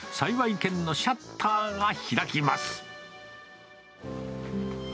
軒のシャッターが開きます。